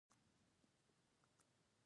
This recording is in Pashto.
ده په عربي جواب راکړ ویل ته زما بادار یې.